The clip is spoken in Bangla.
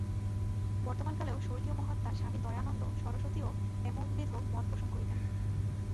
বর্তমান কালেও স্বর্গীয় মহাত্মা স্বামী দয়ানন্দ সরস্বতীও এবম্বিধ মত পোষণ করিতেন।